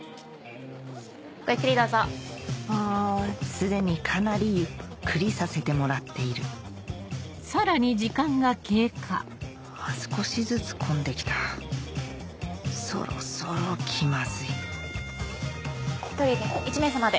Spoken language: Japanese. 既にかなりゆっくりさせてもらっている少しずつ混んできたそろそろ気まずい１人で。